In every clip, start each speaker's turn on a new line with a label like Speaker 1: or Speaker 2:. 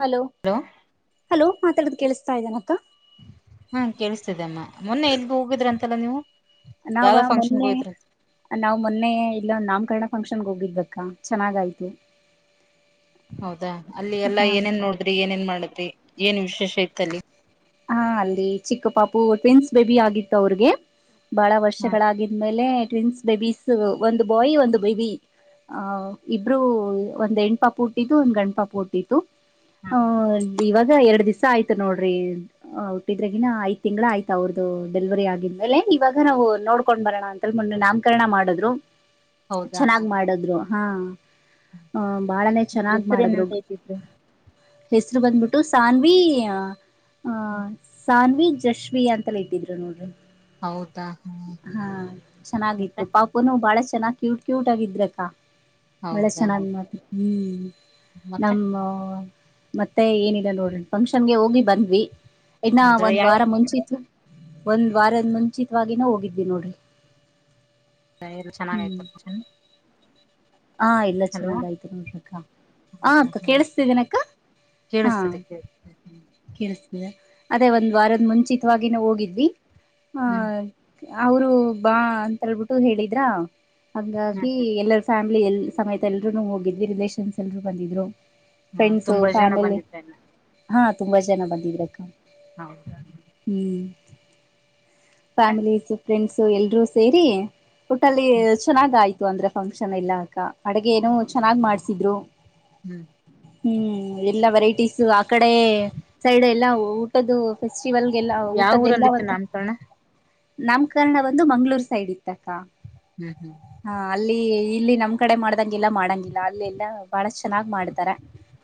Speaker 1: Hello hello ಮಾತಾಡೋದು ಕೇಳಿಸತಾ ಇದನಕ್ಕ
Speaker 2: ಹಾ ಕೇಳಸ್ತಿದೆಮ್ಮ ಮೊನ್ನೆ ಎಲ್ಗ ಹೋಗಿದ್ರ ಅಂತಲ್ಲ ನೀವು
Speaker 1: ನಾವ
Speaker 2: ಯಾವ್ದೋ ಫಂಕ್ಷನ್ಗೆ
Speaker 1: ಮೊನ್ನೆ
Speaker 2: ಹೋಗಿದ್ರಂತ
Speaker 1: ನಾವ್ ಮೊನ್ನೆ ಇಲ್ಲೊಂದು ನಾಮಕರಣ ಫಂಕ್ಷನ್ಗೆ ಹೋಗಿದ್ದವಕಾ ಚೆನ್ನಾಗೈತು
Speaker 2: ಹೌದಾ ಅಲ್ಲಿ ಎಲ್ಲಾ ಏನೇನ್ ನೋಡಿದ್ರಿ ಏನೇನ್ ಮಾಡಿದ್ರಿ ಏನ್ ವಿಶೇಷ ಇತ್ತ ಅಲ್ಲಿ
Speaker 1: ಹಾ ಅಲ್ಲಿ ಚಿಕ್ಕ ಪಾಪು ಟ್ವಿನ್ಸ್ ಬೇಬಿ ಆಗಿತ್ತು ಅವ್ರಿಗೆ ಬಹಳ
Speaker 2: ಹಾ
Speaker 1: ವರ್ಷಗಳಾಗಿದ್ಮೇಲೆ ಟ್ವಿನ್ಸ್ ಬೇಬೀಸ್ ಒಂದು ಬಾಯ್ ಒಂದು ಬೇಬಿ ಆ ಇಬ್ರು ಒಂದ್ ಹೆಣ್ ಪಾಪ ಹುಟ್ಟಿದ್ದು ಒಂದ್ ಗಂಡ ಪಾಪ ಹುಟ್ಟಿತ್ತು
Speaker 2: ಹಾ
Speaker 1: ಹ ಇವಾಗ ಎರಡ್ ದಿವ್ಸ ಆಯ್ತು ನೋಡ್ರಿ ಹ ಉುಟ್ಟಿದ್ರಗಿನಾ ಐದು ತಿಂಗಳ ಆಯ್ತು ಅವ್ರದ್ದ ಡೆಲ್ವರಿ ಆಗಿದ್ಮೇಲೆ ಇವಾಗ ನಾವು ನೋಡ್ಕೊಂಡ್ ಬರೋಣ ಅಂತ ಮೊೆನ್ನೇ ನಾಮಕರಣ ಮಾಡಿದ್ರು
Speaker 2: ಹೌದಾ ಹಾ
Speaker 1: ಚೆನ್ನಾಗ್ ಮಾಡದ್ರು ಹಾ ಹ ಬಾಳನೇ ಚೆನ್ನಾಗ್
Speaker 2: ಹೆಸರು
Speaker 1: ಮಾಡದ್ರು
Speaker 2: ಏನಂತ ಇಟ್ಟಿದ್ರು
Speaker 1: ಹೆಸರು ಬಂದ್ಬಿಟ್ಟು ಸಾನ್ವಿ ಆಹ ಸಾನ್ವಿ ಜಸ್ವಿ ಅಂತಲ ಇಟ್ಟಿದ್ರು ನೋಡ್ರಿ
Speaker 2: ಹೌದ
Speaker 1: ಹಾ ಚೆನ್ನಾಗಿತ್ತು ಪಾಪನುೂ ಬಾಳ ಚೆನ್ನಾಗ್ ಕ್ಯೂಟ್ ಕ್ಯೂಟ್ ಆಗಿದ್ರಕ್ಕ ಒಳ್ಳೆ
Speaker 2: ಹೌದಾ ಹಾ
Speaker 1: ಚೆನ್ನಾಗ್ ಮಾಡರು ಹ್ಮ್
Speaker 2: ಮತ್ತೆ
Speaker 1: ನಮ್ಮ ಮತ್ತೆ ಏನಿಲ್ಲ ನೋಡ್ರಿ ಫಂಕ್ಷನ್ಗೆ ಹೋಗಿ ಬಂದ್ವಿ ಇನ್ನ
Speaker 2: ಹೌದಾ
Speaker 1: ಒಂದ್
Speaker 2: ಯಾವ
Speaker 1: ವಾರ ಮುಂಚಿತ್ತು ಒಂದ್ ವಾರದ ಮುಂಚಿತವಾಗಿನ ಹೋಗಿದ್ದಿ ನೋಡ್ರಿ
Speaker 2: ಸರಿ ಚೆನ್ನಾಗ ಆಯ್ತ
Speaker 1: ಹಾ ಎಲ್ಲಾ ಚೆನ್ನಾಗಾಯ್ತು ನೋಡ್ರಕ್ಕ ಆ ಅಕ್ಕ ಕೇಳಿಸತಿದೀನಕ್ಕ
Speaker 2: ಕೇಳಿಸ್ತದೆ ಕೇಳತ
Speaker 1: ಕೇಳಿಸತಿದೆ ಅದೇ ಒಂದ್ ವಾರದ ಮುಂಚಿತವಾಗಿನ ಹೋಗಿದ್ವಿ
Speaker 2: ಹ್ಮ್
Speaker 1: ಆಹ ಅವರು ಬಾ ಅಂತಳ್ಬಿಟ್ಟು ಹೇಳಿದ್ರ
Speaker 2: ಹ್ಮ್
Speaker 1: ಹಂಗಾಗಿ
Speaker 2: ಹ್ಮ್
Speaker 1: ಎಲ್ಲರ ಫ್ಯಾಮಿಲಿ ಎಲ್ಲಿ ಸಮೇತ ಎಲ್ಲರೂನೂ ಹೋಗಿದ್ವಿ ರಿಲೇಷನ್ಸ್ ಎಲ್ಲರೂ ಬಂದಿದ್ರು
Speaker 2: ಹ್ಮ
Speaker 1: ಫ್ರೆಂಡ್ಸ
Speaker 2: ತುಂಬಾ ಜನ
Speaker 1: ಫ್ಯಾಮಿಲಿ
Speaker 2: ಬಂದಿದ್ರಲ್ಲ
Speaker 1: ಹಾ ತುಂಬಾ ಜನ ಬಂದಿದ್ರಕ್ಕ
Speaker 2: ಹೌದಾ
Speaker 1: ಹ್ಮ್ ಫ್ಯಾಮಿಲೀಸ್ ಫ್ರೆಂಡ್ಸು ಎಲ್ರೂ ಸೇರಿ ಟೋಟಲ್ಲಿ
Speaker 2: ಹ್ಮ್
Speaker 1: ಚೆನ್ನಾಗ್ ಆಯ್ತು ಅಂದ್ರೆ ಫಂಕ್ಷನ್ ಎಲ್ಲಾ ಅಕ್ಕ ಅಡಗೇನೂ ಚೆನ್ನಾಗ್ ಮಾಡ್ಸಿದ್ರು.
Speaker 2: ಹ್ಮ್
Speaker 1: ಹ್ಮ್ ಎಲ್ಲಾ ವೆರೈಟೀಸ್ ಆ ಕಡೆ ಸೈಡ್ ಎಲ್ಲಾ ಊಟ್ದ್ದು ಫೆಸ್ಟಿವಲ್ಗೆಲ್ಲ
Speaker 2: ಯಾವ ಊರಲ್ಲಿ ಇತ್ತು
Speaker 1: ಊಟದ್ದೆಲ್ಲಾವಂತ
Speaker 2: ನಾಮಕರಣ
Speaker 1: ನಾಮಕರಣ ಬಂದು ಮಂಗ್ಗಳೂರ್ ಸೈಡ್ ಇತ್ತಕ್ಕ
Speaker 2: ಹ್ಮ್ ಹ್ಮ್
Speaker 1: ಹ ಅಲ್ಲಿ ಇಲ್ಲಿ ನಮ್ಮ್ ಕಡೆ ಮಾಡ ಂಗಿಲ್ಲ ಮಾಡಂಗಿಲ್ಲ ಅಲ್ಲೆಲ್ಲಾ ಬಹಳ ಚೆನ್ನಾಗ್ ಮಾಡ್ತಾರೆ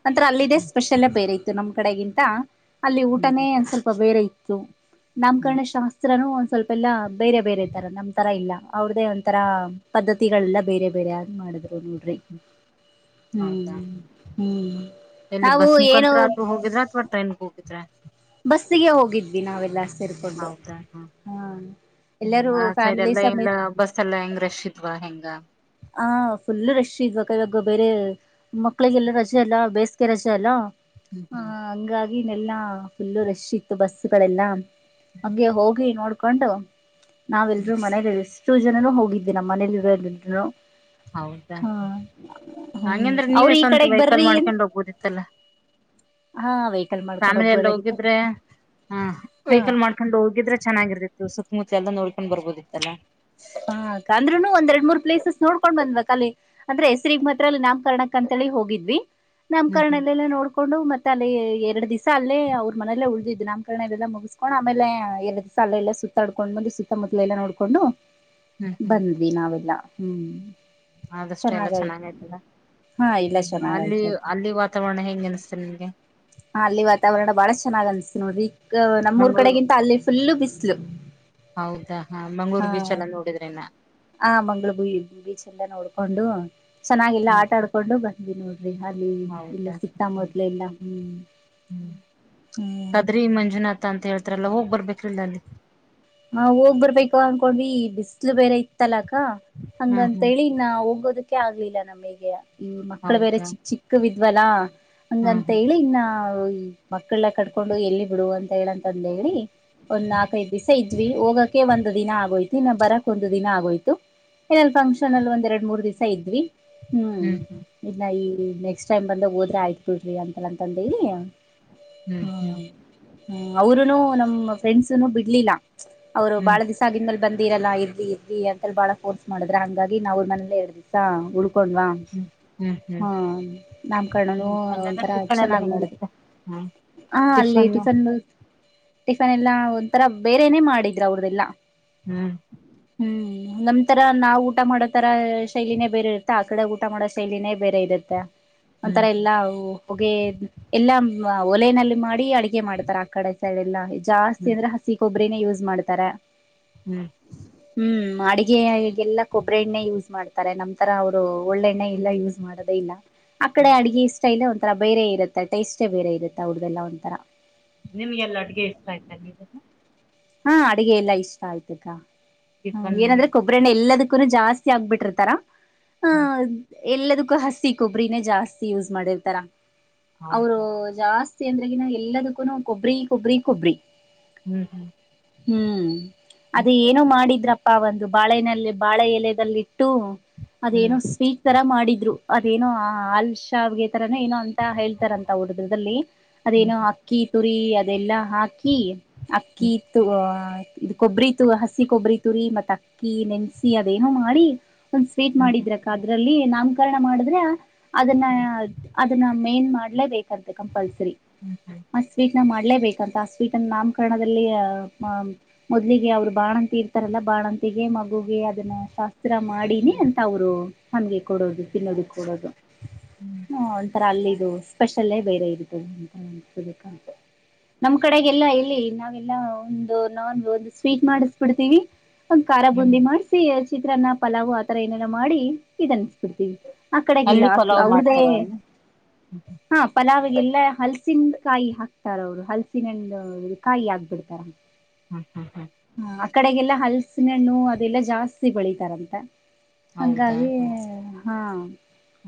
Speaker 1: ನಂತ ಅಲ್ಲಿದ್ದ ಸ್ಪೆಷಲ್ೇ ಬೇರೆ ಇತ್ತು ನಮ್ ಕಡೆಗಿಂತ ಅಲ್ಲಿ
Speaker 2: ಹ್ಮ್ ಹ್ಮ್
Speaker 1: ಊಟನೇ ಒಂದು ಸ್ವಲ್ಪ ಬೇರೆ ಇತ್ತು
Speaker 2: ಹ್ಮ್
Speaker 1: ನಾಮಕರಣ ಶಾಸ್ತ್ರನು ಸ್ವಲ್ಪ ಎಲ್ಲ ಬೇರೆ ಬೇರೆ ತರ ನಮ್ಮ್ ತರಾ ಇಲ್ಲ ಅವ್ರ್ದೇ ಒಂಥರ ಪದ್ದತಿಗಳೆಲ್ಲ ಬೇರೆ ಬೇರಾಗ್ ಮಾಡಿದ್ರು ನೋಡ್ರಿ
Speaker 2: ಹ್ಮ್ ಹೌದಾ
Speaker 1: ಹ್ಮ್ ಹ್ಮ್
Speaker 2: ಎಲ್ಲಿ
Speaker 1: ನಾವು
Speaker 2: ಬಸ್
Speaker 1: ಏನು
Speaker 2: ಮುಖಾಂತ್ರ ಆತ್ರ ಹೋಗಿದ್ರಾ ಅಥವಾ ಟ್ರೈನ್ ಹೋಗಿದ್ರಾ?
Speaker 1: ಬಸ್ಸಿಗೆ ಹೋಗಿದ್ವಿ ನಾವೆಲ್ಲ ಸೇರ್ಕೊಂಡು
Speaker 2: ಹೌದಾ ಹ್ಮ
Speaker 1: ಹಾ. ಎಲ್ಲರೂ
Speaker 2: ಆ ಸೈಡ್
Speaker 1: ಫ್ಯಾಮಿಲಿ
Speaker 2: ಎಲ್ಲ ಎಲ್ಲ
Speaker 1: ಸಮೇತ
Speaker 2: ಬಸ್ ಎಲ್ಲಾ ಹೆಂಗ ರಶ್ ಇದ್ವಾ ಹೆಂಗ?
Speaker 1: ಆ ಫುಲ್ ರಶ್ ಇದ್ವಕ್ಕ ಇವಾಗ ಬೇರೆ ಮಕ್ಳಿಗೆಲ್ಲ ರಜೆ ಅಲ್ಲಾ ಬೇಸಿಗೆ ರಜೆ ಅಲ್ಲ.
Speaker 2: ಹ್ಮ್
Speaker 1: ಹಾ
Speaker 2: ಹ್ಮ್
Speaker 1: ಹಂಗಾಗಿ ಈಗೆಲ್ಲಾ ಫುಲ್ಲು ರಶ್ ಇತ್ತು ಬಸ್ಗಳೆಲ್ಲಾ ಹಂಗೆ ಹೋಗಿ ನೋಡ್ಕೊಂಡು ನಾವೆಲ್ರೂ ಮನೇಲಿ ಇಷ್ಟು ಜನನು ಹೋಗಿದ್ವಿ ನಮ್ಮ ಮನೇಲಿರೋ ಬಿಟ್
Speaker 2: ಹೌದಾ
Speaker 1: ಹ್ಮ್
Speaker 2: ಹಂಗಂದ್ರೆ
Speaker 1: ಅವ್ರ
Speaker 2: ನೀವೇ
Speaker 1: ಈ
Speaker 2: ಸ್ವಂತ
Speaker 1: ಕಡೆಗ್
Speaker 2: ವೆಹಿಕಲ್
Speaker 1: ಬರ್ರಿ
Speaker 2: ಮಾಡ್ಕೊಂಡ್ ಹೋಗ್ಬೋದಿತ್ತಲ್ಲ.
Speaker 1: ಹಾ ವೆಹಿಕಲ್ ಮಾಡ್ಕೊಂಡ್
Speaker 2: ಫ್ಯಾಮಿಲಿ ಎಲ್ಲ
Speaker 1: ಹೋಗ್ಬೋದಾಗಿತ್ತು
Speaker 2: ಹೋಗಿದ್ರೆ ಹಾ
Speaker 1: ಹಾ
Speaker 2: ವೆಹಿಕಲ್ ಮಾಡ್ಕೊಂಡು ಹೋಗಿದ್ರೆ ಚೆನ್ನಾಗಿರ್ತಿತ್ತು ಸುತ್ತಮುತ್ತ ಎಲ್ಲ ನೋಡ್ಕೊಂಡ್ ಬರ್ಬೋದಿತ್ತಲ್ಲಾ.
Speaker 1: ಹಾ ಅಕ್ಕ ಅಂದ್ರುನೂ ಒಂದ ಎರಡ್ ಮೂರ್ ಪ್ಲೇಸಸ್ ನೋಡ್ಕೊಂಡ್ ಬಂದ್ವಕ್ಕ ಅಲ್ಲಿ ಅಂದ್ರೆ ಹೆಸ್ರಿಗ್ ಮಾತ್ರ ಅಲ್ಲಿ ನಾಮಕರ್ಣಕ್ ಅಂತ ಲ್ಲಿ ಹೋಗಿದ್ವಿ
Speaker 2: ಹ್ಮ್ ಹ್ಮ್
Speaker 1: ನಾಮಕರಣನೆಲ್ಲ ನೋಡ್ ಕೊಂಡು ಮತ್ತೆ ಅಲ್ಲಿ ಎರಡು ದಿವಸ ಅಲ್ಲೇ ಅವ್ರ ಮನೇಲ್ಲೇ ಉಳ್ದಿದ್ದು ನಾಮಕರಣ ಇದೆಲ್ಲ ಮುಗಿಸ್ಕೊಂಡು ಆಮೇಲೆ ಎರಡು ದಿಸ ತ್ತಲ್ಲೆಲ್ಲ ಸುತ್ತಾಡ್ಕೊಂಡ್ಬಂದು ಸುತ್ತಮುತ್ಲಲೆಲ್ಲ ನೋಡಕೊಂಡು
Speaker 2: ಹ್ಮ್ ಹ್ಮ್
Speaker 1: ಬಂದ್ವಿ ನಾವೆಲ್ಲಾ ಹ್ಮ್
Speaker 2: ಆದಷ್ಟು ಎಲ್ಲ
Speaker 1: ಚೆನ್ನಾಗಯ್ತು
Speaker 2: ಚೆನ್ನಾಗೈತಲ್ಲ?
Speaker 1: ಹಾ ಇಲ್ಲ
Speaker 2: ಅಲ್ಲಿ
Speaker 1: ಚೆನ್ನಾಗಯ್ತ ಆಯ್ತು
Speaker 2: ಅಲ್ಲಿ ವಾತಾವರಣ ಹೆಂಗ್ ಆನ್ಸುತು ನಿಮ್ಗೆ?
Speaker 1: ಹ ಅಲ್ಲಿ ವಾತಾವರಣ ಬಾಳ ಚೆನ್ನಾಗ್ ಅನ್ಸ್ತು ನೋಡ್ರಿ ಈ ನಮ್ಮ್ಊರ್
Speaker 2: ಮಂಗಳೂರು
Speaker 1: ಕಡೆಗಿಂತ ಅಲ್ಲಿ ಫುಲ್ಲು ಬಿಸ್ಲು.
Speaker 2: ಹೌದಾ ಮಂಗಳೂರು
Speaker 1: ಹಾ
Speaker 2: ಬೀಚ್ ಎಲ್ಲ ನೋಡಿದ್ರೆನಾ
Speaker 1: ಹ ಮಂಗಳೂ ಬೀಚ್ ಎಲ್ಲ ನೋಡ್ ಕೊಂಡು ಚೆನ್ನಾಗೆಲ್ಲಾ
Speaker 2: ಹ್ಮ್
Speaker 1: ಆಟ ಆಡ್ಕೊಂಡು ಬಂದ್ವಿ ನೋಡ್ರಿ ಅಲ್ಲಿ ಇಲ್ಲ ಸಿಕ್ತಾ ಮೊದ್ಲೆ ಎಲ್ಲಾ.
Speaker 2: ಹ್ಮ ಬದ್ರಿ ಮಂಜುನಾಥ ಅಂತ ಹೇಳ್ತಾರಲ್ಲ ಹೋಗ್ ಬರ್ಬೇಕ್ರಿಲ್ಲ ಅಲ್ಲಿ
Speaker 1: ನಾವ್ ಹೋಗ್ ಬರ್ಬೇಕ ಅನ್ಕೊಂಡ್ವಿ ಬಿಸ್ಲು ಬೇರೆ ಇತ್ತಲ್ಲ ಕ್ಕ
Speaker 2: ಹ್ಮ್
Speaker 1: ಹಂಗಂತ
Speaker 2: ಹ್ಮ್
Speaker 1: ಹೇಳಿ ನಾ ಹೋಗೋದಕ್ಕೆ ಆಗ್ಲಿಲ್ಲ ನಮಗೆ ಈ ಮಕ್ಳು ಬೇರೆ
Speaker 2: ಹೌದಾ
Speaker 1: ಚಿಕ್ಕ ಚಿಕ್ಕವಿದ್ವಲ್ಲಾ
Speaker 2: ಹ್ಮ್
Speaker 1: ಹಂಗಂತ ಹೇಳಿ ಇನ್ನ ಹ್ಮ ಮಕ್ಕಳ್ನ ಕಟ್ಕೊಂಡು ಎಲ್ಲಿ ಬಿಡುವ ಅಂತ ಹೇಳಂತ ಅಂದ ಹೇಳಿ ಒಂದ್ ನಾಕೖದು ಇದ್ವಿ ಹೋಗೋಕ್ಕೆ ಒಂದ ದಿನ ಆಗೋಯ್ತು. ದಿನ ಬರಕ್ ಒಂದ ದಿನ ಆಗೋಯ್ತು ಫಂಕ್ಷನ್ ಅಲ್ಲಿ ಒಂದ್ ಎರಡ್ ಮೂರ್ ದಿವಸ ಇದ್ವಿ ಹ್ಮ್ ಇಲ್ಲ ಈ ನೆಕ್ಸ್ಟ್ ಟೈಮ್ ಬಂದಾಗ್ ಹೋದ್ರೆ ಆಯ್ತ ಬಿಡ್ರಿ ಅಂತಲ್ಲ ಅಂತಂದ ಹೇಳಿ ಹಾ.
Speaker 2: ಹ್ಮ್ ಹ್ಮ್ ಹ್ಮ್
Speaker 1: ಹ್ಮ್ ಅವರುನೂ ನಮ್ಮ್ ಫ್ರೆಂಡ್ಸನು ಬಿಡ್ಲಿಲ್ಲ ಅವ್ರು
Speaker 2: ಹ್ಮ್
Speaker 1: ಬಾಳ ದಿಸ ಆಗಿದ ಮೇಲ್ ಬಂದ್ ರಲ್ಲ ಇರ್ರಿ ಇರ್ರಿ ಅಂತ ಬಾಳ ಫೋರ್ಸ್ ಮಾಡಿದ್ರಿ ಹಂಗಾಗಿ ನಾವು ಅವ್ರ ಮನೇಲೇ ಎರಡು ದಿವಸ ಉಳು ಕೊಂಡ್ವಾ
Speaker 2: ಹ್ಮ್ ಹ್ಮ್
Speaker 1: ಹಾ ನಮ್ಕರ್ಣನು
Speaker 2: ಹ್ಮ್ ಅದೆಲ್ಲ
Speaker 1: ಒಂಥರ
Speaker 2: ಟಿಫನ್ ಎಲ್ಲ
Speaker 1: ಚೆನ್ನಾಗ್ ಮಾಡಿದ್
Speaker 2: ಹೆಂಗಿತ್ತ ಹ್ಮ
Speaker 1: ಹಾ ಅಲ್ಲೇ ಟಿಫನ್ ಟಿಫನ್ ಎಲ್ಲಾ ಒಂಥರ ಬೇರೆನೇ ಮಾಡಿದ್ರು ಅವ್ರ್ದೆಲ್ಲಾ
Speaker 2: ಹ್ಮ್
Speaker 1: ಹ್ಮ್ ನಮ್ ತರ ನಾವು ಊಟ ಮಾಡೋ ತರ ಶೈಲಿನೇ ಬೇರೆ ಇರುತ್ತೆ, ಆ ಕಡೆ ಊಟ ಮಾಡೋ ಶೈಲಿನೇ ಬೇರೆ ಇರುತ್ತೆ.
Speaker 2: ಹ್ಮ್
Speaker 1: ಒಂಥರ ಎಲ್ಲಾ ಹೊಗೆ ಎಲ್ಲಾ ಒಲೆನಲ್ಲಿ ಮಾಡಿ ಅಡಗೆ ಮಾಡ್ತಾರ್ ಆ ಕಡೆ. ಳೆಲ್ಲ ಜಾಸ್ತಿ
Speaker 2: ಹ್ಮ್ ಹ್ಮ್
Speaker 1: ಅಂದ್ರೆ ಹಸಿ ಕೊಬ್ಬರಿನೇ ಯೂಸ್ ಮಾಡ್ತಾರೆ
Speaker 2: ಹ್ಮ್
Speaker 1: ಹ್ಮ್. ಆಡಿಗೆಯಗೆಲ್ಲ ಕೊಬ್ಬರಿ ಎಣ್ಣೆ ಯೂಸ್ ಮಾಡ್ತಾರೆ ನಮ್ಮ ತರ ಅವ್ರು ಒಳ್ಳೆಣ್ಣೆ ಎಲ್ಲ ಯೂಸ್ ಮಾಡೋದೇ ಇಲ್ಲ. ಆ ಕಡೆ ಅಡ್ಗೆ ಸ್ಟೖಲೇ ಒಂಥರ ಬೇರೆ ಇರುತ್ತೆ ಟೇಸ್ಟೇ ಬೇರೆ ಇರುತ್ತ ಅವ್ರ್ದೆಲ್ಲ ಒಂಥರ.
Speaker 2: ನಿಮ್ಗೆಲ್ಲ ಅಡುಗೆ ಇಷ್ಟ ಆಯ್ತಾ
Speaker 1: ಹಾ ಅಡಗೆ ಎಲ್ಲಾ ಇಷ್ಟ ಆಯ್ತುಕ್ಕ ಹ
Speaker 2: ಟಿಫನ್
Speaker 1: ಏನಂದ್ರೆ
Speaker 2: ಎಲ್ಲ?
Speaker 1: ಕೊಬ್ಬರಿ ಎಣ್ಣೆ ಎಲ್ಲದಕ್ ಕ್ರು ಜಾಸ್ತಿ ಆಗ್ಬಿಟ್ಟಿರ್ತಾರ ಆಂ ಎಲ್ಲದಕ್ಕೂ ಹಸಿ ಕೊಬ್ಬರಿನೇ ಜಾಸ್ತಿ ಯೂಸ್ ಮಾಡಿರ್ತಾರ ಅವರು
Speaker 2: ಹೌದಾ
Speaker 1: ಜಾಸ್ತಿ ಅಂದ್ರಗ ನ ಎಲ್ಲದಕ್ಕೂನು ಕೊಬ್ಬ್ರಿ ಕೊಬ್ಬ್ರಿ ಕೊಬ್ಬ್ರಿ.
Speaker 2: ಹ್ಮ್
Speaker 1: ಹ್ಮ್ ಅದೇ ಏನೋ ಮಾಡಿದ್ರಪ್ಪ ಒಂದು ಬಾಳೆನಲ್ಲಿ ಬಾಳೆ ಎಲೆದಲ್ಲಿ ಟ್ಟು ಅದೇನೋ
Speaker 2: ಹ್ಮ್
Speaker 1: ಸ್ವೀಟ್ ತರ ಮಾಡಿದ್ರು ಅದೇನೋ ಹಲ್ ಶಾವಿಗೆ ತರಾನ ಏನೋ ಅಂತ ಹೇಳ್ತಾರಂತ ಹಡದ್ರದಲ್ಲಿ
Speaker 2: ಹ್ಮ್
Speaker 1: ಅದೇನೋ
Speaker 2: ಹ್ಮ್
Speaker 1: ಅಕ್ಕಿ ತುರಿ ಅದೆಲ್ಲಾ ಹಾಕಿ ಅಕ್ಕಿ ತು ಅ ಇ ಕೊಬ್ಬರಿ ತು ಹಸಿ ಕೊಬ್ಬರಿ ತುರಿ ಮತ್ತ ಅಕ್ಕಿ ನೆನ್ಸಿ ಅದೇನೋ ಮಾಡಿ ಒಂದ್ ಸ್ವೀಟ್
Speaker 2: ಹ್ಮ್
Speaker 1: ಮಾಡಿದ್ರಕ್ಕ ಅದ್ರಲ್ಲಿ ನಮ್ ಪರ್ಣ ಮಾಡಿದ್ರೆ ಅದನ್ನ
Speaker 2: ಹ್ಮ್
Speaker 1: ಅದನ್ನ ಮೇನ್ ಮಾಡ್ಲೇಬೇಕು ಅಂತೆ ಕಂಪಲ್ಸರಿ ಮ ಸ್ವೀಟ್ ನ ಮಾಡ್ಲೇಬೇಕಂತ ಆ ಸ್ವೀಟ್ ನ ನಾಮಕರಣ ದಿಲ್ಲಿಯ ಮ ಮೊದ್ಲಿಗೆ ಅವರು ಬಾಣಂತಿ ಇರ್ತಾರಲ್ಲ ಬಾಣಂತಿಗೆ ಮಗುಗೆ ಅದನ್ನ ಶಾಸ್ ಹತ್ರ ಮಾಡೀನಿ ಅಂತ ಅವರು ನಮ್ಗೆ ಕೊಡೋದು ತಿನ್ನೋದು ಕೊಡೋದು ಹ್ಮ್ ಒಂಥರಾ ಅಲ್ಲಿ ದು ಸ್ಪೆಷಲ್ಲೇ ಬೇರೆ ಇರ್ತದೆ ಅಂತ ಹ್ಮ್ ನಮ್ಮ್ ಕಡೆಲ್ಲ ಇಲ್ಲಿ ಲ್ಲ ಒಂದು ನಾನ್ ಒ ಸ್ವೀಟ್ ಮಾಡಿಸ್ಬಿಡ್ತೀವಿ ಒಂದ್ ಖಾರ
Speaker 2: ಹ್ಮ್ ಹ್ಮ್
Speaker 1: ಬುಂದಿ ಮಾಡ್ಸಿ ಚಿತ್ರನ್ನ ಪಲಾವ್ ಆ ತರ ಏನೆಲ್ಲ ಮಾಡಿ ಇದ ಅನ್ಸ್ಬಿಡ್ತೀವಿ ಆ ಕಡೆಗಿಲ್ಲ
Speaker 2: ಅಲ್ಲಿ ಪಲಾವ್
Speaker 1: ಅವ್ರ್ದೇ
Speaker 2: ಮಾಡ್ತಾರ ಅಲ್ಲಿ
Speaker 1: ಹಾ ಪಲಾವೆ ಇಲ್ಲಾ ಹಲ್ಸಿನ ಕಾಯಿ ಹಾಕ್ತಾರ ಅವರು ಹಲ್ಸಿನಂಡ ಕಾಯಿ ಹಾಕ್ಬಿಡ್ತಾರ
Speaker 2: ಹ್ಮ್ ಹ್ಮ್ ಹ್ಮ್
Speaker 1: ಹ ಆ ಕಡೆಗೆಲ್ಲ ಹಲ್ಸಿನ ಹಣ್ಣು ಅದೆಲ್ಲಾ ಜಾಸ್ತಿ ಬೆಳಿತಾರಂತ
Speaker 2: ಹೌದಾ
Speaker 1: ಹಂಗಾಗಿ
Speaker 2: ಹ್ಮ್
Speaker 1: ಹಾ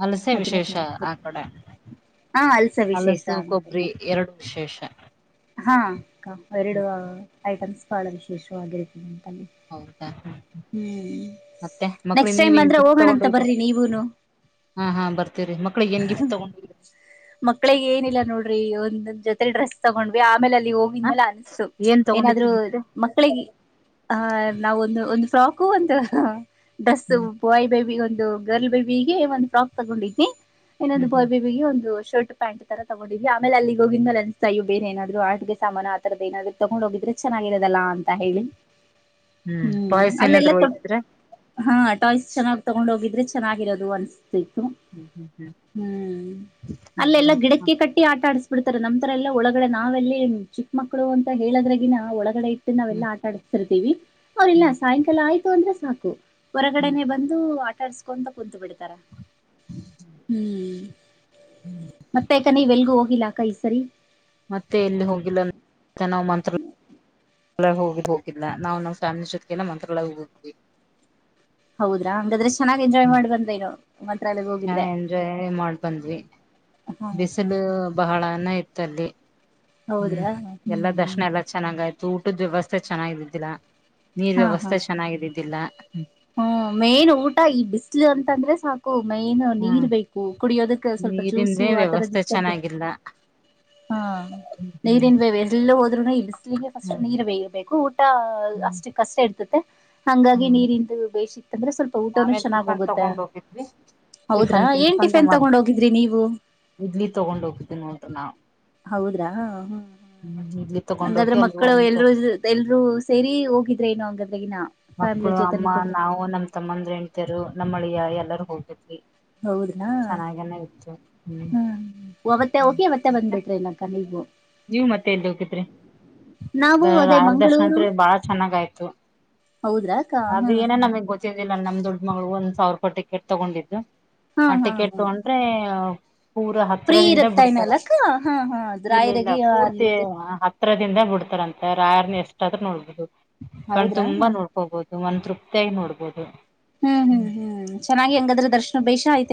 Speaker 2: ಹಲಸೆ
Speaker 1: ಅದನ್ನೇ
Speaker 2: ವಿಶೇಷ
Speaker 1: ಜಾಸ್ತಿ
Speaker 2: ಆ ಕಡೆ
Speaker 1: ಹಾ ಅಲ್ಸ ವಿಶೇಷ
Speaker 2: ಹಲಸು
Speaker 1: ಆಗ್ಬೇಕ
Speaker 2: ಕೊಬ್ಬರಿ ಎರಡು ವಿಶೇಷ
Speaker 1: ಹಾ ಕಂ ಅ
Speaker 2: ಹ್ಮ್
Speaker 1: ಎರಡು ಐಟಮ್ಸ್ ಬಹಳ ವಿಶೇಷವಾಗಿರುತ್ತೀಗೆ ತಲ್ಲಿ
Speaker 2: ಹೌದಾ
Speaker 1: ಹ್ಮ್
Speaker 2: ಮತ್ತೆ ಮಕ್ಳಿಗೆ
Speaker 1: ನೆಕ್ಸ್ಟ್ ಟೈಮ್
Speaker 2: ನೀವೇನ್
Speaker 1: ಬಂದ್ರೆ
Speaker 2: ಗಿಫ್ಟ್
Speaker 1: ಹೋಗೋಣ
Speaker 2: ತಗೊಂಡ್
Speaker 1: ಅಂತ
Speaker 2: ಹೋಗಿದ್ರಿ
Speaker 1: ಬರ್ರಿ ನೀವುನು
Speaker 2: ಹಾ ಹಾ ಬರ್ತೀರಿ ಮಕ್ಳಗ್ ಏನ್ ಗಿಫ್ಟ್ ತಗೊಂಡಿದ್ರಿ
Speaker 1: ಮಕ್ಳಗ್ ಏನಿಲ್ಲ ನೋಡ್ರಿ ಒಂದ್ ಜೊತೆ ಡ್ರೆಸ್ ತಗೊಂಡ್ವಿ ಆಮೇಲೆ ಅಲ್ಲಿ
Speaker 2: ಹ
Speaker 1: ಹೋಗಿದ್ಮೇಲೆ ಅನ್
Speaker 2: ಏನ್
Speaker 1: ಏನಾದ್ರು
Speaker 2: ತಗೊಂಡಿದ್ರಿ ಗಿಫ್ಟ್
Speaker 1: ಮಕ್ಕಳಿಗೆ ಆ ನಾವ್ ಒಂದು ಒಂದು ಫ್ರಾಕು ಒಂದು ಡಸ್ಸು
Speaker 2: ಹ್ಮ್
Speaker 1: ಬಾಯ್ ಬೇಬಿ ಒಂದು ಗರ್ಲ್ ಬೇಬಿಗೆ ಒಂದು ಫ್ರಾಕ್ ತಗೊಂಡಿದ್ನಿ ಏನಾದ್
Speaker 2: ಹ್ಮ್ ಹ್ಮ್
Speaker 1: ಬಾಯ್ಬೇಬಿಗೆ ಒಂದುಷ ಶರ್ಟ್ ಪ್ಯಾಂಟ್ ತಗೊಂಡ್ವಿ ಆಮೇಲೆ ಅಲ್ಲಿಗೆ ಹೋಗಿದ ಮೇಲೆ ಅಸ್ತಯ ಬೇರೆ ಏನಾದ್ರೂ ಆಡ್ಬೆ ಸಾಮಾನ ಆತರದ್ ಏನಾದ್ರರು ತಗೊಂಡ್ ಹೋಗಿದ್ರೆ ಚೆನ್ನಾಗಿರದಲ್ಲ ಅಂತ ಹೇಳಿ
Speaker 2: ಹ್ಮ್ ಪಾಯ್ಸ ಏನಾದ್ರು ಇದ್ದಿದ್ರೆ
Speaker 1: ಹಾ ಟಾಯ್ಸ್ ಚೆನ್ನಾಗಿ ತಗೊಂಡ್ ಹೋಗಿದ್ರೆ ಚೆನ್ನಾಗಿರೋದು ಒನ್ ಚೈತು
Speaker 2: ಹ್ಮ್ ಹ್ಮ್ ಹ್ಮ್
Speaker 1: ಹ್ಮ್ ಅಲ್ಲೆಲ್ಲಾ
Speaker 2: ಹೌದಾ
Speaker 1: ಗಿಡಕ್ಕೆ ಕಟ್ಟಿ ಆಟ ಆಡ್ಸ್ ಬಿಡ್ತಾರೆ ನಮ್ ತರ ಎಲ್ಲ ಒಳಗಡೆ ನಾವೆಲ್ಲಿ ಚಿಕ್ಕ ಮಕ್ಳು ಅಂತ ಹೇಳದ್ರಗಿನ ಒಳಗಡೆ ಒಟ್ಟ್
Speaker 2: ಹ್ಮ್
Speaker 1: ನಾವೆಲ್ಲಾ ಆಟಾಡತಿರ್ತೀವಿ ಅವ್ರಲ್ಲ
Speaker 2: ಹ್ಮ್
Speaker 1: ಸಾಯಂಕಾಲ ಆಯ್ತು ಅಂದ್ರೆ ಸಾಕು
Speaker 2: ಹ್ಮ್
Speaker 1: ಹೊರಗಡೆನೇ ಬಂದು ಆಟಾಡ್ಸ್ಕೊಂತ ಕುಂತು ಬಿಡ್ತಾರ ಹ್ಮ್ ಮತ್ತೆ ಯಾಕಾನೆ ಇವೆಲ್ಗೂ ಹೋಗಿಲ್ಲಾ ಅಕ್ಕ ಈ ಸರಿ
Speaker 2: ಮತ್ತೆ ಇಲ್ಲಿ ಹೋಗಿಲ್ಲ ಚ ನಾವು ಮಂತ್ರ ಹೋಗ ಹೋಗಿಲ್ಲ ನಾವು ನಾವ್ ಫ್ಯಾಮಿಲಿ ಜೊತೆಗೆನ ಮಂತ್ರಲ್ಲ ಹೋಗೋಗ್ವಿ
Speaker 1: ಹೌದ್ರಾ ಹಂಗಾದ್ರೆ ಚೆನ್ನಾಗಿ ಎಂಜಾಯ್ ಮಾಡಿ ಬಂದೇನು
Speaker 2: ಚನ್ನ ಎಂಜಾಯ್ ಮಾಡ್ಬಂದ್ವಿ ಬಿಸಿಲು ಬಹಳ ಚ ಇತ್ತು ಅಲ್ಲಿ ಹ್ಮ್
Speaker 1: ಹೌದ್ರಾ ಹ್ಮ್
Speaker 2: ಎಲ್ಲಾ
Speaker 1: ಹ್ಮ್
Speaker 2: ದರ್ಶನ ಎಲ್ಲಾ ಚೆನ್ನಾಗಯ್ತು ತುಊಟದ ವ್ಯವಸ್ಥೆ ಚೆನ್ನಾಗಿದ್ದಿಲ್ಲಾ
Speaker 1: ಹಾ ಹಾ ಹ್ಮ್ ಮೇನ್ ಊಟ ಈ ಬಿಸ್ಲು ಅಂತಂದ್ರೆ ಸಾಕು ಮೈನ್
Speaker 2: ಹ್ಮ್
Speaker 1: ನೀರ್ ಬೇಕು ಕುಡಿಯೋದಕ್ಕ ಸ್ವಲ್ಪ ಜ್ಯೂಸು
Speaker 2: ನೀರಿಂದೇ ವ್ಯವಸ್ಥೆ
Speaker 1: ಆತರದ್ದರ್ಬೇಕ
Speaker 2: ಚೆನ್ನಾಗಿಲ್ಲ
Speaker 1: ಹಾ
Speaker 2: ಹ್ಮ್
Speaker 1: ನೀರಿನ್ ಬೇ ಎಲ್ಲೆ ಹೋದ್ರುನು ಇ ಬಿಸಿಲಿಗೆ ಫಸ್ಟ್ ನೀರ್ ಬೇಯಬೇಕು ಟಾಲ್
Speaker 2: ಹ್ಮ್
Speaker 1: ಅಷ್ಟು ಕಷ್ಟ ಇರ್ತ ಹಂಗಾಗಿ
Speaker 2: ಹ್ಮ್
Speaker 1: ನೀರಿಂದು ಬೇಯಿ ಇತ್ತಂದ್ರೆ ಸ್ವಲ್ಪ ಸೊ ಊಟನುೂ
Speaker 2: ನಾವೇ
Speaker 1: ಚೆನ್ನಾಗಿ
Speaker 2: ಟಿಫನ್
Speaker 1: ಹೋಗುತ್ತೆ
Speaker 2: ತಗೊಂಡ್ ಹೋಗಿದ್ವಿ
Speaker 1: ಹೌದ್ರಾ
Speaker 2: ಟಿಫನ್
Speaker 1: ಏನ್
Speaker 2: ತಿನ್ಕೊಂಡು
Speaker 1: ಟಿಫೆನ್
Speaker 2: ಮ
Speaker 1: ತಗೊಂಡ ಹೋಗಿದ್ರಿ ನೀವು
Speaker 2: ಇಡ್ಲಿ ತಗೊಂಡ್ ಹೋಗಿದ್ವಿ ನೋಡ್ರಿ ನಾವು
Speaker 1: ಹೌದ್ರಾ ಹ್ಮ ಹ್ಮ
Speaker 2: ಹ್ಮ್ ಇಡ್ಲಿ
Speaker 1: ಹಂಗಾದ್ರೆ
Speaker 2: ತಗೊಂಡೋಗಿ ಅಲ್ಲಿ
Speaker 1: ಮಕ್ಕಳು
Speaker 2: ಒಂದು
Speaker 1: ಎಲ್ರುೂ ಜ ಎಲ್ರುೂ ಸೇರಿ ಹೋಗಿದ್ರೆ ಏನು ಹಂಗಾದ
Speaker 2: ಮಕ್ಕಳು ಅಮ್ಮ ನಾವು ನಮ್ ತಮ್ಮಂದ್ರ ಹೆಂಡ್ತೀರು ನಮ್ಮಳಿಯ ಎಲ್ಲಾರೂ ಹೋಗಿದ್ವಿ
Speaker 1: ಹೌದನಾ
Speaker 2: ಚೆನ್ನಾಗನ ಇತ್ತು ಹ್ಮ್
Speaker 1: ಹ್ಮ್ ಅವತ್ತೆ ಹೋಗಿ ಅವವತ್ತೆ
Speaker 2: ಮತ್ತೆ
Speaker 1: ಬಂದ್ಬಿಟ್ರೆ ಇನ್ನ ಕ ನೀಗು
Speaker 2: ನೀವ್ ಮತ್ತೆ ಎಲ್ ಹೋಗಿದ್ರಿ
Speaker 1: ನಾವು ಅದೇ
Speaker 2: ಆರ ದರ್ಶನ ಅತ್
Speaker 1: ಮಂಗಳೂರು
Speaker 2: ಬಾಳ ಚೆನ್ನಾಗಯ್ತು
Speaker 1: ಹೌದ್ರಾ ಅಕ್ಕ
Speaker 2: ಅದ
Speaker 1: ಹಾ
Speaker 2: ಏನೇ ನಮಗ್ ಗೊತ್ತ ನಮ್ ದೊಡ್ ಮಗಳು ಒಂದ್ ಸಾವಿರ ರೂಪಾಯಿ ಟಿಕೆಟ್ ತಗೊಂಡಿದ್ದು
Speaker 1: ಹಾ
Speaker 2: ಆ
Speaker 1: ಹಾ
Speaker 2: ಟಿಕೆಟ್
Speaker 1: ಹಾ
Speaker 2: ಅಂದ್ರೆ ಪೂರ ಹತ್ರ
Speaker 1: ಫ್ರೀ
Speaker 2: ಹಿಂದ
Speaker 1: ಇರುತ್ತಾ
Speaker 2: ಬಿಡ್ತಾರ
Speaker 1: ಏನಲ್ಲಕ್ಕ ಹಾ ಹಾ
Speaker 2: ಇಲ್ಲ ಇಲ್ಲ ಇಲ್ಲ
Speaker 1: ರಾಯರಗಿ
Speaker 2: ಪೂರ್ತಿ
Speaker 1: ಅಲ್ಲಿದ್ದೆ
Speaker 2: ಹತ್ರದಿಂದ ಬಿಡ್ತಾರಂತೆ ರಾಯಾರ್ನ ಎಷ್ಟಾದ್ರೂ ನೋಡ್ಬಹದು ಕಣ್
Speaker 1: ಹೌದ್ರಾ
Speaker 2: ತುಂಬಾ
Speaker 1: ಹ್ಮ್
Speaker 2: ನೋಡ್ಕೋಬಹದು ಒಂದ ತೃಪ್ತಿಯಾಗಿ ನೋಡ್ಬೋದು
Speaker 1: ಹ್ಮ್ ಹ್ಮ್ ಹ್ಮ್ ಚೆನ್ನಾಗಿ ಹೆಂಗಾದ್ರೆ ದರ್ಶನ ಬೇಷ ಆಯ್ತು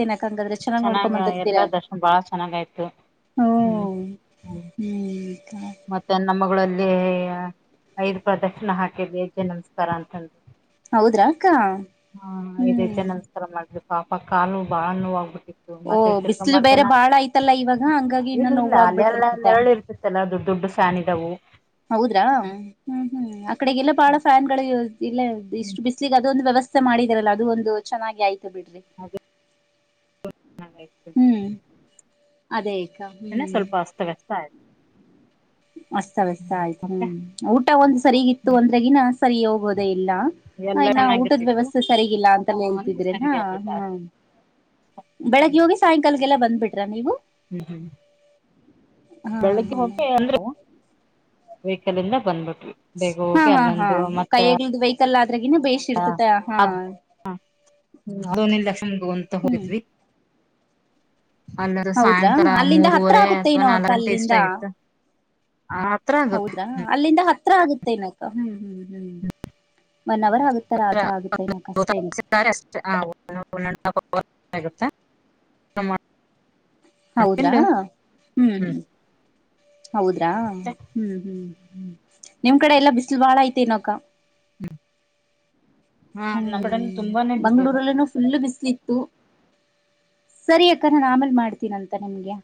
Speaker 2: ಚೆನ್ನಾಗ ಎಲ್ಲಾ ದರ್ಶನ ಬಾಳ ಚೆನ್ನಾಗಯ್ತು ಹ್ಮ್ ಹ್ಮ್ ಮತ್ತೆ ನಮ್ಮಗಳಲ್ಲಿ ಐದ್ ಪ್ರದರ್ಶನ ಹಾಕಿದ್ವಿ ಎಜಜೆ ನಮಸ್ಕಾರ ಅಂತಂದರು
Speaker 1: ಹೌದ್ರಾ ಅಕ್ಕ
Speaker 2: ಐದ್ ಹೆಜ್ಜೆ
Speaker 1: ಹ್ಮ್
Speaker 2: ನಮಸ್ಕಾರ ಮಾಡಿದ್ವಿ ಪಾಪ ಕಾಲು ಬಾಳ ನೋವ
Speaker 1: ಓ
Speaker 2: ಮತ್ತೆ
Speaker 1: ಬಿಸಿಲು ಬೇರೆ
Speaker 2: ತಿರ್ಕೊಂಬರ್್ದನ
Speaker 1: ಬಾಳ ಐತಲ್ಲ ಇವಾಗ ಹಂಗಾಗಿ ಇನ್ನ
Speaker 2: ಇಲ್ಲ ಇಲ್ಲ
Speaker 1: ನೋವು
Speaker 2: ಅಲ್ಲೆರಳ
Speaker 1: ಆಗ್ಬಿಟ್ಟಿರ್ತತ
Speaker 2: ನೆರಳು ಇರ್ತತ್ತ ಅಲ್ಲ ದುಡ್ ದುಡ್ಡು ಸಾನಿದವು
Speaker 1: ಹೌದ್ರಾ ಹ್ಮ್ ಹ್ಮ್ ಆ ಕಡೆಗೆಲ್ಲ ಬಾಳ ಫ್ಯಾನ್ ಗಳು ಇಲ್ಲ
Speaker 2: ಹ್ಮ್
Speaker 1: ಇಷ್ಟು ಬಿಸ್ಲಿಗೆ ಅದು ಒಂದು ವ್ಯವಸ್ಥೆ ಮಾಡಿದರಲ್ಲ ಅದು ಒಂದು ಚೆನ್ನಾಗಿ ಆಯ್ತು ಬಿಡ್ರಿ
Speaker 2: ಅದೇ ಚೆನ್ನಾಗಾಯ್ತು
Speaker 1: ಹ್ಮ್ ಅದೇತ
Speaker 2: ಅಸ್ವಲ್ಪ ಅಸ್ತವ್ಯಸ್ತ ಆಯ್ತು
Speaker 1: ಅಸ್ತವ್ಯಸ್ತ ಆಯ್ತು
Speaker 2: ಮತ್ತೆ
Speaker 1: ಹ್ಮ್ ಊಟ ಒಂದು್ ಸರಿಗಿತ್ತು ಅಂದ್ರೆಗಿನ ಸರಿ ಹೋಗೋದೇ ಇಲ್ಲ
Speaker 2: ಎಲ್ಲಾ
Speaker 1: ಇನ್ನ ಊಟದ
Speaker 2: ಚೆನ್ನಾಗಿರ್ತಿತ್ತು
Speaker 1: ವ್ಯವಸ್ಥೆ ಸರಿಗಿಲ್ಲ ಅಂತಾನ
Speaker 2: ಒಂದು
Speaker 1: ಹೇಳ್ತಿದ್ರೆನಾ
Speaker 2: ಸರಿಗೆ ಆಗ್ಲಿಲ್ಲ
Speaker 1: ಹ್ಮ
Speaker 2: ಅಷ್ಟ
Speaker 1: ಬೆಳಗ್ಗೆ ಹೋಗಿ ಸಾಯಂಕಾಲಗೆಲ್ಲ ಬಂದ್ಬಿಟ್ರ ನೀವು
Speaker 2: ಹ್ಮ್ ಹ್ಮ್
Speaker 1: ಹಾ
Speaker 2: ಬೆಳಗೆ ಹ
Speaker 1: ಹಾ
Speaker 2: ಅಂದ್ರ ವಹಿಕಲ್ಂದ ಬಂದ್ಬಿಟ್ಬೇಗ ಹೋಗಿ
Speaker 1: ಹಾ ಹಾ
Speaker 2: ಅಲ್ಲೊಂದು ಮತ್ತ
Speaker 1: ಕೈಯಗ್ಲ್ದ ವೆಹಿಕಲ್ ಆದ್ರಗಿನ ಬೇಷ್
Speaker 2: ಹಾ
Speaker 1: ಇರ್ತತೆ ಹಾ
Speaker 2: ಅದ ಹ ದನ ಲಕ್ಷ ಮುಗ ಅಂತ
Speaker 1: ಹ್ಮ್
Speaker 2: ಹೋಗಿದ್ವಿ ಅಲ್ಲರ
Speaker 1: ಹೌದ್ರಾ
Speaker 2: ಸಾಯಂಕಾಲ
Speaker 1: ಅಲ್ಲಿಂದ ಹತ್ರ
Speaker 2: ಮೂರವರೆ ಅಥ್ವಾ
Speaker 1: ಆಗುತ್ತೇನೋ
Speaker 2: ನಾಲ್
Speaker 1: ಅಕ್ಕ
Speaker 2: ಗಂಟೆ ಎಷ್ಟ
Speaker 1: ಅಲ್ಲಿಂದ
Speaker 2: ಆಯ್ತ
Speaker 1: ಹೌದ್ರಾ ಅಲ್ಲಿಂದ ಹತ್ರ ಆಗುತ್ತೆ ನಕ ಹ್ಮ್ ಹ್ಮ್ ಹ್ಮ್ ಒನ್ ಅವರ್ ಆಗುತ್ತಾರ ಆತತ್ರ ಆಗುತ್ತೆ ನ ಕಷ್ಟ ಏನ
Speaker 2: ಅ
Speaker 1: ಹೌದ್ರಾ ಹ್ಮ್ ಹ್ಮ್ ಹೌದ್ರಾ
Speaker 2: ಮತ್ತೆ
Speaker 1: ಹ್ಮ್ ಹ್ಮ್್ಮ್ ನಿಮ್ ಕಡೆ ಎಲ್ಲಾ ಬಿಸಿಲು ಬಾಳ ಐತೆ ಇನಕ್ಕ
Speaker 2: ಹ್ಮ್ ಹಾ
Speaker 1: ಹ್ಮ್
Speaker 2: ನಮ್ಮ್ ಕಡೆ ತುಂಬಾನೇ ಬಿಸಿ ಇರದು
Speaker 1: ಮಂಗ್ಗಳೂರಲ್ಲೂ ಫುಲ್ ಬಿಸ್ಲಿತ್ತು
Speaker 2: ಹ
Speaker 1: ಸರಿ ಅಕ್ಕ ನಾನು ಆಮೇಲ್ ಮಾಡ್ತೀನಂತ ನಿಮ್ಗೆ